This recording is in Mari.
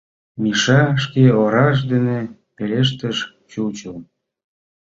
Миша шке ораж дене пелештыш: «Чучыл?